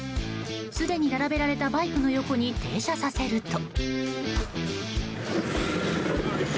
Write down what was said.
すでに並べられたバイクの横に停車させると。